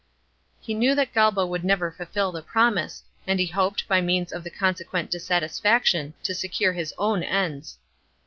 He knew that Galba would never fulfil the promise, and he hoped, by means of the consequent dissatisfaction, to secure his own ends.